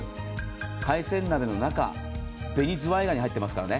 海鮮鍋の中、ベニズワイガニ入ってますからね。